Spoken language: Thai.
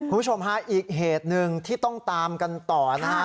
คุณผู้ชมฮะอีกเหตุหนึ่งที่ต้องตามกันต่อนะฮะ